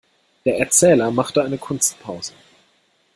Der Erzähler machte eine Kunstpause.